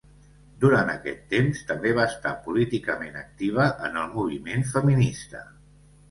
Durant aquest temps, també va estar políticament activa en el moviment feminista.